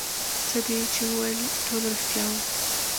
څه دې چې وويل ټول رښتيا وو.